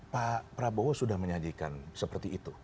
pak prabowo sudah menyajikan seperti itu